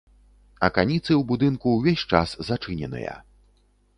Аканіцы ў будынку ўвесь час зачыненыя.